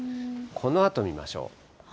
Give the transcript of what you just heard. このあと見ましょう。